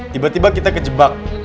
tiba tiba kita kejebak